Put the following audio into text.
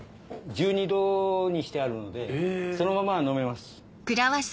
１２度にしてあるのでそのまま飲めます。